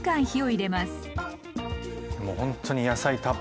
もうほんとに野菜たっぷりで。